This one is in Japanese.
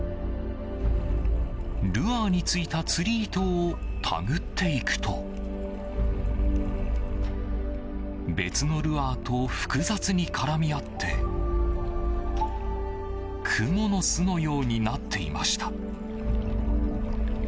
ルアーについた釣り糸を手繰っていくと別のルアーと複雑に絡み合ってクモの巣のようになっていました。